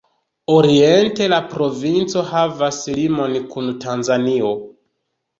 Oriente la provinco havas limon kun Tanzanio.